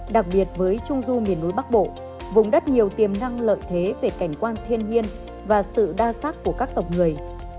đặc biệt với trung du miền núi bắc bộ vùng đất nhiều tiềm năng lợi thế về cảnh quan thiên nhiên và sự đa sắc của các tộc người